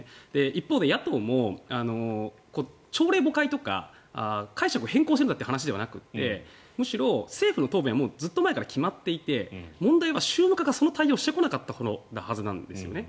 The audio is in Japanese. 一方で野党も、朝令暮改とか解釈を変更するなという話ではなくてむしろ政府の答弁はずっと前から決まっていて問題は宗務課がその対応をしてこなかったことですよね。